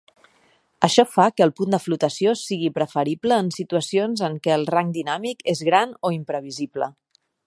Això fa que el punt de flotació sigui preferible en situacions en què el rang dinàmic és gran o imprevisible.